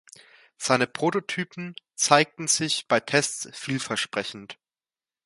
Seine Prototypen zeigten sich bei Tests vielversprechend.